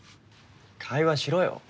会話しろよ。